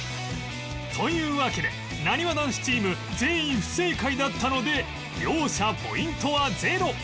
というわけでなにわ男子チーム全員不正解だったので両者ポイントはゼロ